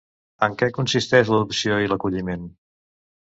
En què consisteixen l'adopció i l'acolliment?